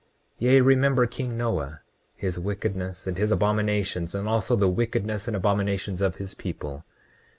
29:18 Yea, remember king Noah, his wickedness and his abominations, and also the wickedness and abominations of his people.